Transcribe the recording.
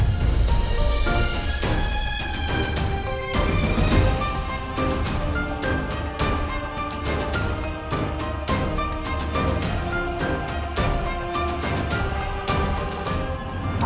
tidak ada apa apa